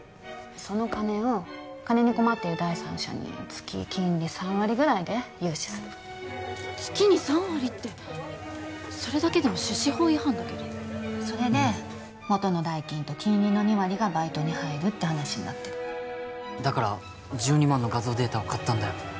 その金を金に困ってる第三者に月金利３割ぐらいで融資する月に３割ってそれだけでも出資法違反だけどそれで元の代金と金利の２割がバイトに入るって話になってるだから１２万の画像データを買ったんだよ